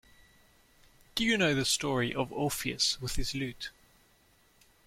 Do you know the story of Orpheus with his lute?